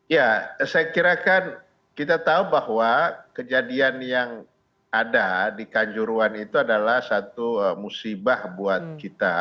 ya saya kira kan kita tahu bahwa kejadian yang ada di kanjuruan itu adalah satu musibah buat kita